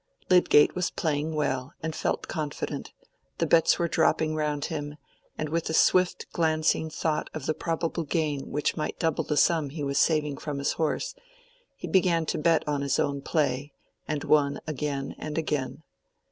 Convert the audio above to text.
Lydgate was playing well, and felt confident; the bets were dropping round him, and with a swift glancing thought of the probable gain which might double the sum he was saving from his horse, he began to bet on his own play, and won again and again.